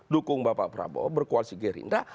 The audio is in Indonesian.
dukung bapak prabowo berkoalisi gerindra